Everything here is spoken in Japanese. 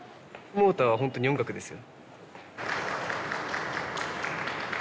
モーターは本当に音楽です。